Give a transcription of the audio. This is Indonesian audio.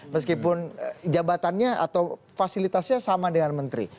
meskipun jabatannya atau fasilitasnya sama dengan menteri